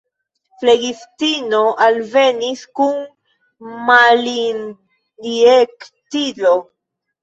Flegistino alvenis kun malinjektilo.